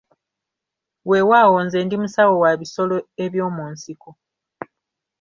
Weewaawo nze ndi musawo wa bisolo eby'omu nsiko.